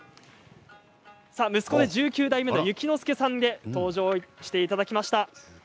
息子で十九代目の雪之介さんに登場していただきました。